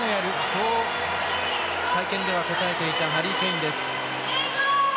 そう会見では答えていたハリー・ケインです。